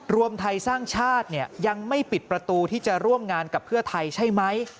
รวมไทยสร้างชาติยังไม่ปิดประตูที่จะร่วมงานกับเพื่อไทยใช่ไหม